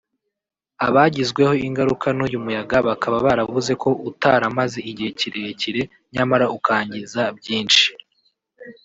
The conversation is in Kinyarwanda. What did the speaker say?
abagizweho ingaruka n’uyu muyaga bakaba baravuze ko utaramaze igihe kirekire nyamara ukangiza byinshi